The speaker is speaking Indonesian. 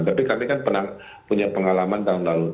tapi kami kan pernah punya pengalaman tahun lalu